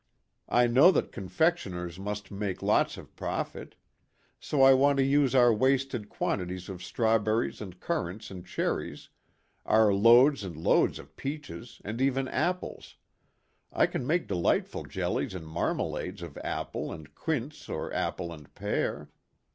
"I know that confectioners must make lots of profit. So I want to use our wasted quanti ties of strawberries and currants and cherries, our loads and loads of peaches and even apples I can make delightful jellies and marmalades of apple and quince or apple and pear.